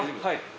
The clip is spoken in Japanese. はい。